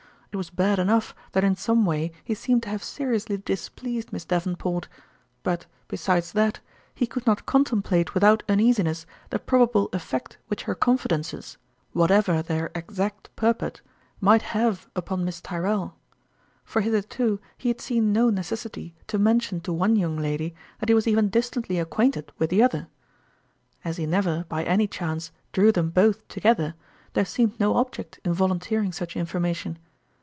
It was bad enough that in some way he seemed to have seriously dis pleased Miss Davenport ; but, besides that, he could not contemplate without uneasiness the probable effect which her confidences, what ever their exact purport, might have upon 102 Miss Tyrrell. For hitherto he had seen no necessity to mention to one young lady that he was even distantly acquainted with the other. As he never by any chance drew them both to gether, there seemed no object in volunteering such information.